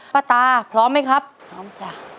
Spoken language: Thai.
ป้าตาพร้อมไหมครับพร้อมจ้ะ